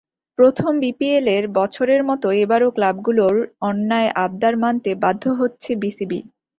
প্রথম বিপিএলের বছরের মতো এবারও ক্লাবগুলোর অন্যায় আবদার মানতে বাধ্য হচ্ছে বিসিবি।